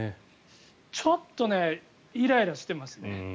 ちょっと、イライラしてますね。